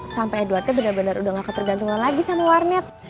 sampai dua t benar benar udah gak ketergantungan lagi sama warnet